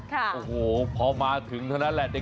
เป็นเพื่อเพลงครับโอ้โหพอมาถึงเท่านั้นแหละเด็ก